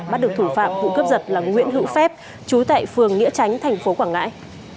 bắt được thủ phạm vụ cướp giật là nguyễn hữu phép chú tại phường nghĩa tránh thành phố quảng ngãi